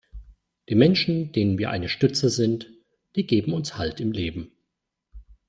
Die Menschen, denen wir eine Stütze sind, die geben uns Halt im Leben.